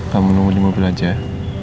kamu nunggu di mobil aja